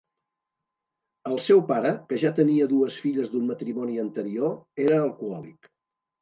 El seu pare, que ja tenia dues filles d'un matrimoni anterior, era alcohòlic.